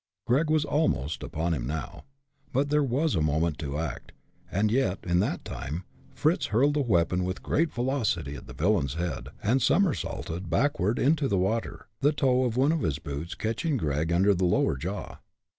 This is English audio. Gregg was almost upon him now. There was but a moment to act, and yet, in that time, Fritz hurled the weapon with great velocity at the villain's head, and somersaulted backward into the water, the toe of one of his boots catching Gregg in under the lower jaw.